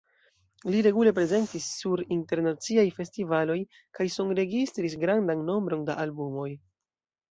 Li regule prezentis sur internaciaj festivaloj kaj sonregistris grandan nombron da albumoj.